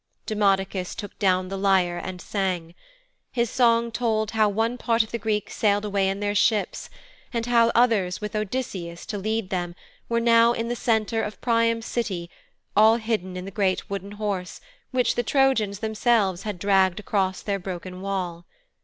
Demodocus took down the lyre and sang. His song told how one part of the Greeks sailed away in their ships and how others with Odysseus to lead them were now in the center of Priam's City all hidden in the great Wooden Horse which the Trojans themselves had dragged across their broken wall.